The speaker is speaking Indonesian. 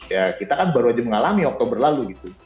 ya kita kan baru aja mengalami oktober lalu gitu